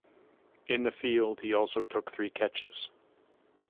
In the field he also took three catches.